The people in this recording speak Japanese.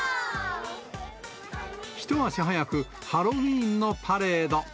一足早く、ハロウィーンのパレード。